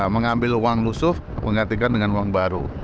mengambil uang lusuh menggantikan dengan uang baru